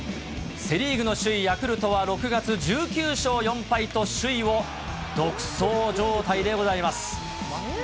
セ・リーグの首位ヤクルトは６月、１９勝４敗と首位を独走状態でございます。